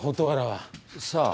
さあ。